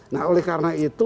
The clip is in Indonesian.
nah oleh karena itu